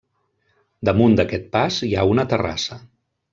Damunt d'aquest pas hi ha una terrassa.